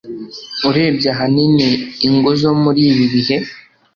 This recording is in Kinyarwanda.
urebye ahanini ingo zo muri ibi bihe